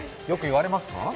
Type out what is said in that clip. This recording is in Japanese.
よく言われますか？